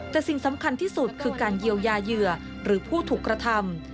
แต่สิ่งสำคัญที่สุดคือการเยียวยาเหยื่อหรือผู้ถูกกระทำ